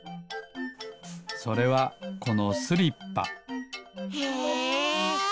それはこのスリッパへえ。